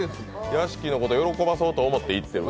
屋敷のこと喜ばそうと思ってやってる。